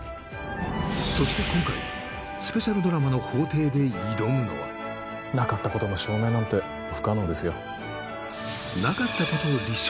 そして今回スペシャルドラマの法廷で挑むのはなかったことの証明なんて不可能ですよ